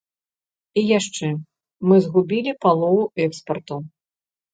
І яшчэ, мы згубілі палову экспарту.